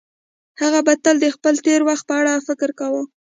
هغه به تل د خپل تېر وخت په اړه فکر کاوه.